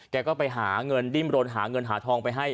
แกก็ไปหาเงินดิ้นรนหาเงินหาทองไปให้